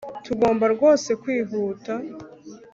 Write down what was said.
Tugomba rwose kwihuta